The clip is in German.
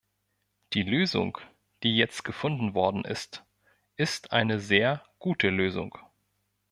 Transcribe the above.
Die Lösung, die jetzt gefunden worden ist, ist eine sehr gute Lösung.